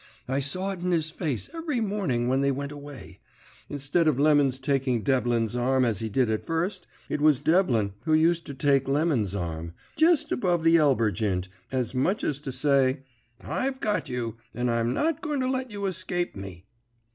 I saw it in his face every morning when they went away. Instead of Lemon's taking Devlin's arm as he did at first, it was Devlin who used to take Lemon's arm, jest above the elber jint, as much as to say: "'I've got you, and I'm not going to let you escape me.'